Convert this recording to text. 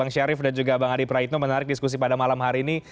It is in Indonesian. bang syarif dan juga bang adi praitno menarik diskusi pada malam hari ini